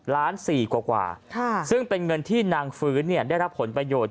ล้านสี่กว่าซึ่งเป็นเงินที่นางฟื้นได้รับผลประโยชน์